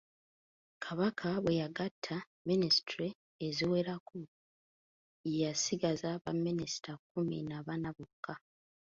Kabaka bwe yagatta minisitule eziwerako yasigaza ba minisita kkumi na bana bokka.